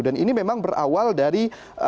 dan ini memang berawal dari